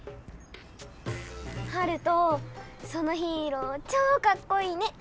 ハルトそのヒーローちょうかっこいいね。